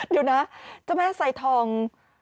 เดี๋ยวนะเจ้าแม่ไซทอง